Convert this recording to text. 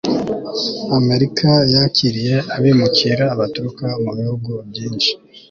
Amerika yakiriye abimukira baturuka mu bihugu byinshi